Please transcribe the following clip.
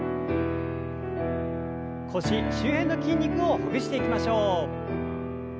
腰周辺の筋肉をほぐしていきましょう。